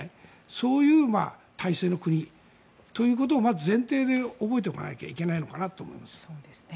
そういう体制の国ということをまず前提で覚えておかなきゃいけないかなと思います。